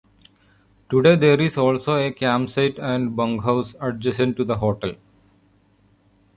Today there is also a campsite and bunkhouse adjacent to the hotel.